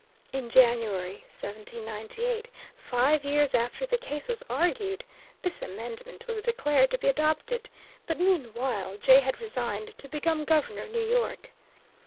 In January, 1798, five years after the case was argued, this amendment was declared to be adopted, but meanwhile Jay had resigned to become governor of New York.